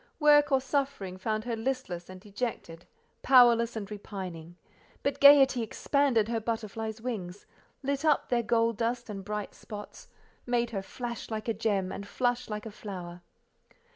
Work or suffering found her listless and dejected, powerless and repining; but gaiety expanded her butterfly's wings, lit up their gold dust and bright spots, made her flash like a gem, and flush like a flower.